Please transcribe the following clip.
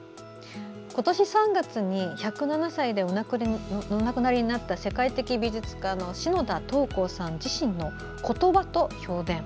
今年３月に１０７歳でお亡くなりになった世界的美術家の篠田桃紅さんの言葉と評伝。